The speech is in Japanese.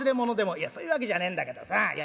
「いやそういう訳じゃねえんだけどさいや